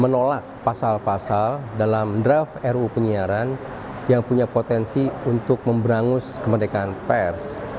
menolak pasal pasal dalam draft ruu penyiaran yang punya potensi untuk memberangus kemerdekaan pers